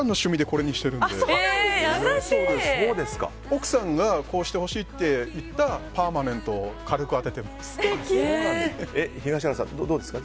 奥さんがこうしてほしいって言ったパーマメントを東原さん、どうですか？